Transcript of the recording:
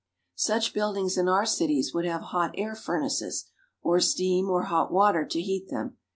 Such buildings in our cities would have hot air furnaces, or steam or hot water to heat them.